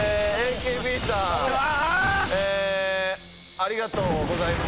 ありがとうございます。